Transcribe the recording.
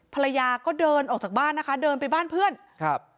ภรรยาก็เดินออกจากบ้านนะคะเดินไปบ้านเพื่อนครับ